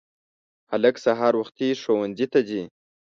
هلک سهار وختي مکتب ته ځي